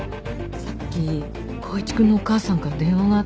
さっき光一くんのお母さんから電話があって。